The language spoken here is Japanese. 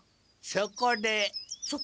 そこで？